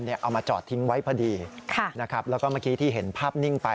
เอามาจอดทิ้งไว้พอดีนะครับแล้วก็เมื่อกี้ที่เห็นภาพนิ่งไป